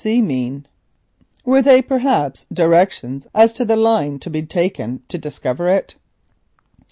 B.C. mean? Were they, perhaps, directions as to the line to be taken to discover it?